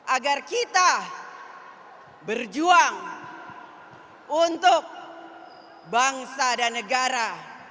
agar kita berjuang untuk bangsa dan negara